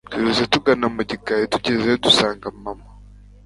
Twirutse tugana mugikari tugezeyo dusanga mama